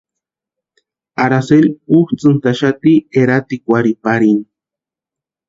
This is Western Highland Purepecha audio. Aracely útsʼïntaxati eratikwarhiparini.